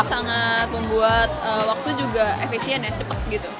sangat membuat waktu juga efisien ya cepat gitu